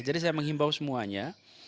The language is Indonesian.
jadi saya menghimbau semuanya